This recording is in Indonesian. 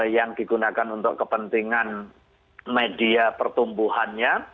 yang digunakan untuk kepentingan media pertumbuhannya